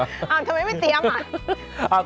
ทำไมไม่เตรียมอ่ะ